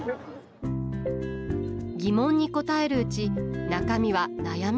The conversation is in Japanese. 疑問に答えるうち中身は悩み